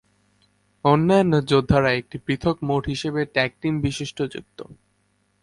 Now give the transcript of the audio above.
অন্যান্য যোদ্ধারা একটি পৃথক মোড হিসাবে ট্যাগ-টিমিং বৈশিষ্ট্যযুক্ত।